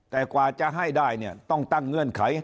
แต่กว่าจะให้ได้เนี่ยต้องตั้งเงื่อนไข